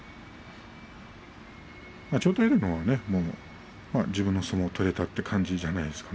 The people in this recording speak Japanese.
千代大龍のほうは、自分の相撲を取れたという感じじゃないですか。